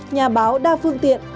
nhà báo đa phương tiện